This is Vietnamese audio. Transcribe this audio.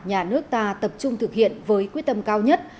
nhà nước ta tập trung thực hiện với quyết tâm cao nhất